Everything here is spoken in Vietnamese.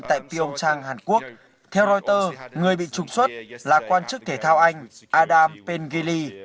tại pyeongchang hàn quốc theo reuters người bị trùng xuất là quan chức thể thao anh adam pengelly